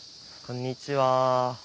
こんにちは。